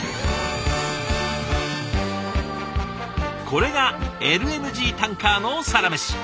これがＬＮＧタンカーのサラメシ。